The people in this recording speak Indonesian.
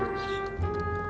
tunggu bentar ya kakak